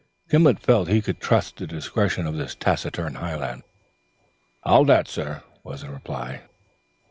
He felt he could trust the discretion of this taciturn Highlander. "I'll that, sir," was the reply.